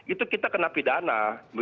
itu kita kena pidana